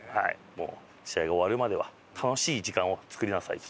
もう試合が終わるまでは楽しい時間を作りなさい。